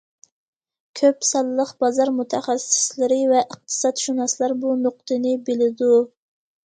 كۆپ سانلىق بازار مۇتەخەسسىسلىرى ۋە ئىقتىسادشۇناسلار بۇ نۇقتىنى بىلىدۇ.